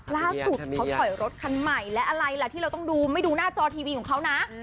ล่าสุดเขาถอยรถคันใหม่และอะไรล่ะที่เราต้องดูไม่ดูหน้าจอทีวีของเขานะ